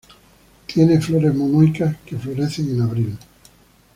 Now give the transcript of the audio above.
Tiene flores monoicas que florecen en abril.